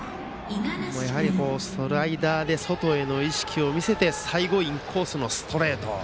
やはりスライダーで外への意識を見せて最後、インコースのストレート。